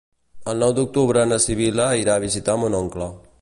El nou d'octubre na Sibil·la irà a visitar mon oncle.